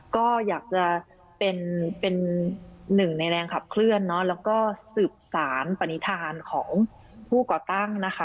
ก็อยากจะเป็นหนึ่งในแรงขับเคลื่อนเนอะแล้วก็สืบสารปณิธานของผู้ก่อตั้งนะคะ